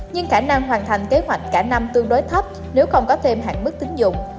nhưng khả năng hoàn thành kế hoạch cả năm tương đối thấp nếu không có thêm hạn mức tính dụng